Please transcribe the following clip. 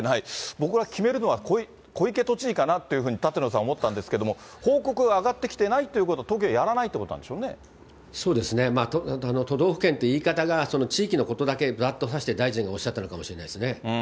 僕は決めるのは、小池都知事かなと舘野さん、思ったんですけれども、報告が上がってきてないということは、東京はやらないということなんでしょうそうですね、都道府県という言い方が、地域のことだけだと思って、大臣おっしゃってるのかも分からないですね。